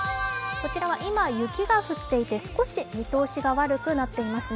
こちらは今、雪が降っていて少し見通しが悪くなっていますね。